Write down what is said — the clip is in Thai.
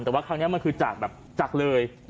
แต่ว่าครั้งนี้มันคือจากแบบจากเลย